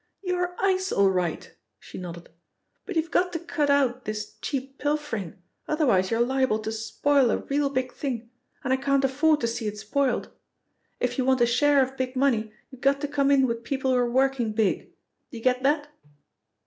"You're ice all right," she nodded, "but you've got to cut out this cheap pilfering, otherwise you're liable to spoil a real big thing and I can't afford to see it spoilt. If you want a share of big money you've got to come in with people who are working big do you get that?"